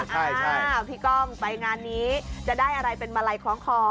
อ้าวพี่ก้องไปงานนี้จะได้อะไรเป็นมาลัยคล้องคอ